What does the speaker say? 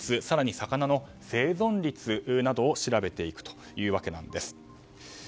更に魚の生存率などを調べていくというわけです。